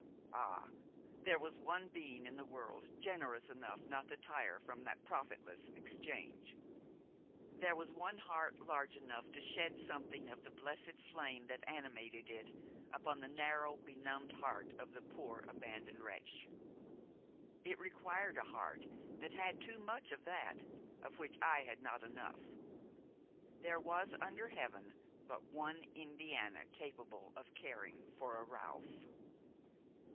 Ah! there was one being in the world generous enough not to tire of that profitless exchange; there was one heart large enough to shed something of the blessed flame that animated it upon the narrow, benumbed heart of the poor abandoned wretch. It required a heart that had too much of that of which I had not enough. There was under Heaven but one Indiana capable of caring for a Ralph.